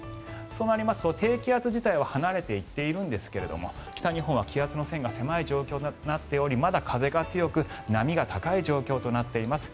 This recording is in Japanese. そうなりますと低気圧自体は離れていっているんですが北日本は気圧の線が狭い状況となっておりまだ風が強く波が高い状況となっています。